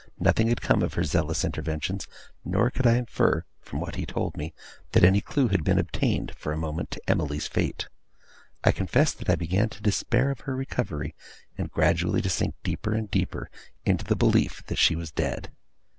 Nothing had come of her zealous intervention; nor could I infer, from what he told me, that any clue had been obtained, for a moment, to Emily's fate. I confess that I began to despair of her recovery, and gradually to sink deeper and deeper into the belief that she was dead.